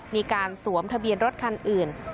มีการสวมทะเบียนรถคันอื่น